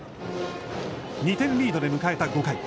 ２点リードで迎えた５回。